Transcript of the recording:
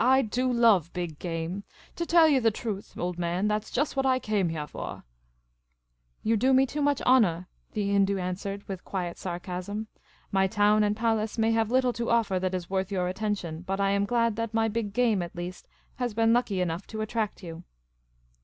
" I do love big game. To tell yah the truth, old man, that 's just what I came heah for. ''*' You do me too much honour," the Hindoo answered, with quiet sarcasm. " My town and palace may have little to offer that is worth your attention ; but I am glad that my big game, at least, has been lucky enough to attract you."